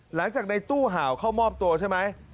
หลังจากในตู้เห่าเข้ามอบตัวใช่ไหม